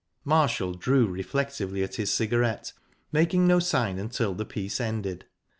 Marshall drew reflectively at his cigarette, making no sign until the piece ended.